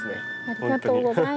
ありがとうございます。